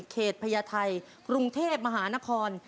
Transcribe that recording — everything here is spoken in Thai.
พญาไทยกรุงเทพมหานคร